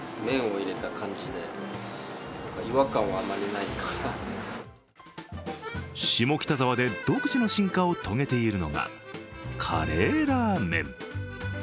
更に下北沢で独自の進化を遂げているのがカレーラーメン。